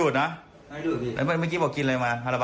ไม่ใช่ชื่อคนอื่นผมไม่รู้ผมหันหลังมาถามอ่ะยอม